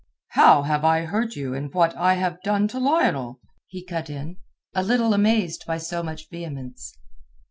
"How have I hurt you in what I have done to Lionel?" he cut in, a little amazed by so much vehemence.